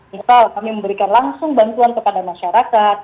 misal kami memberikan langsung bantuan kepada masyarakat